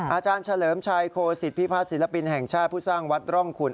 อาจารย์เฉลิมชัยโคศิษฐพิพัฒนศิลปินแห่งชาติผู้สร้างวัดร่องคุณ